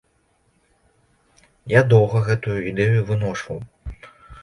Я доўга гэтую ідэю выношваў.